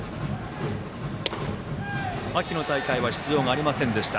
秋の大会は出場ありませんでした。